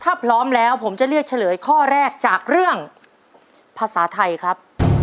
ถ้าพร้อมแล้วผมจะเลือกเฉลยข้อแรกจากเรื่องภาษาไทยครับ